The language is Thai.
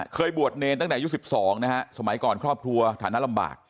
เคยบวชเนรตั้งแต่อายุ๑๒นะฮะสมัยก่อนครอบครัวฐานะลำบาก